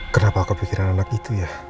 kenapa aku pikirkan anak itu ya